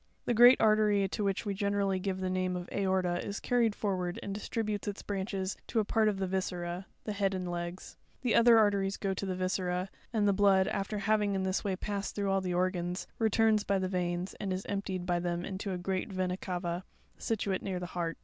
'The great artery to which we generally give the name of aorta, is carried forward and distributes its branehes to a part of the viscera, the head and legs. 'The other arteries go to the viscera ; and the blood, after having in this way passed through all the organs, returns by the veins, and is emptied by them into a great vena cava, situate near the heart.